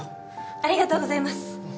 ありがとうございます。